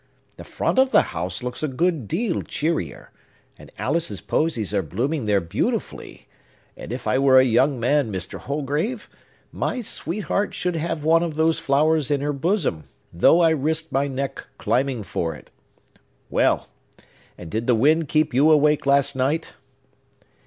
The front of the house looks a good deal cheerier; and Alice's Posies are blooming there beautifully; and if I were a young man, Mr. Holgrave, my sweetheart should have one of those flowers in her bosom, though I risked my neck climbing for it! Well, and did the wind keep you awake last night?"